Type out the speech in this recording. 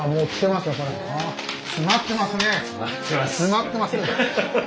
詰まってます。